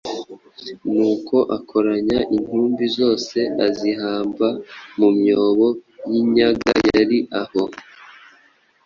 Nuko akoranya intumbi zose azihamba mu myobo y’inyaga yari aho,